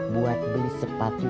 buat beli sepatu adinda